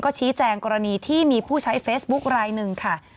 ชี้แจงกรณีที่มีผู้ใช้เฟซบุ๊คลายหนึ่งค่ะ